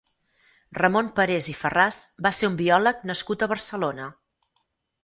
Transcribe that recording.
Ramon Parés i Farràs va ser un biòleg nascut a Barcelona.